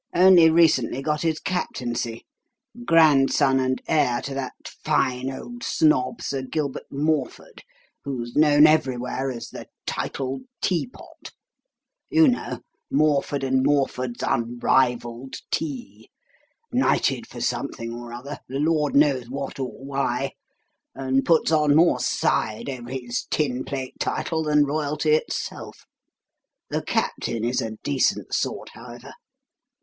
Only recently got his captaincy. Grandson and heir to that fine old snob, Sir Gilbert Morford, who's known everywhere as 'The Titled Teapot.' You know, 'Morford & Morford's Unrivalled Tea.' Knighted for something or other the Lord knows what or why and puts on more side over his tin plate title than Royalty itself. The Captain is a decent sort, however.